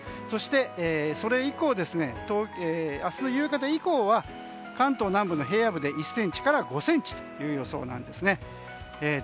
そして、それ以降明日の夕方以降は関東南部の平野部で１ｃｍから５ｃｍという予想なんですね。